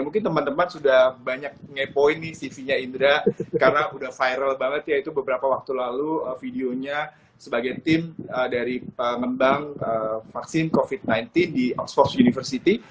mungkin teman teman sudah banyak ngepoin nih cv nya indra karena udah viral banget ya itu beberapa waktu lalu videonya sebagai tim dari pengembang vaksin covid sembilan belas di oxfors university